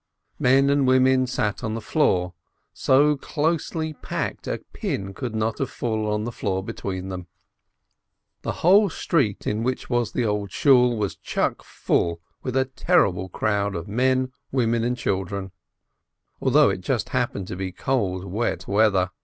Men and women sat on the floor, so closely packed a pin could not have fallen to the floor between them. The whole street in which was the Great Shool was chuck full with a terrible crowd of men, women, and children, although it just happened to be cold, wet weather.